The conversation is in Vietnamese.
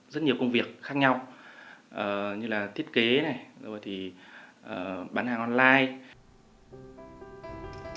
rất nhiều công việc khác nhau như là thiết kế bán hàng online